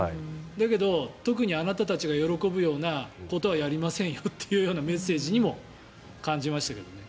だけど、特にあなたたちが喜ぶようなことはやりませんよというメッセージにも感じましたけどね。